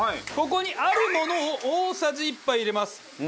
ここにあるものを大さじ１杯入れます。